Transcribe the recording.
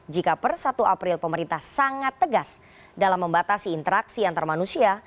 jika per satu april pemerintah sangat tegas dalam membatasi interaksi antar manusia